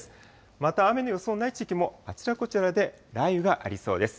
また雨の予想のない地域も、あちらこちらで雷雨がありそうです。